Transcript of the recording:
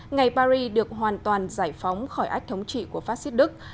ngày paris được hoàn toàn giải phóng khỏi ách thống trị của phát xít đức